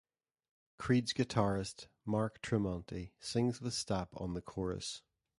Creed's guitarist Mark Tremonti sings with Stapp on the chorus.